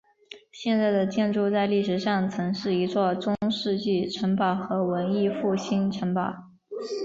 现在的建筑在历史上曾是一座中世纪城堡和文艺复兴城堡。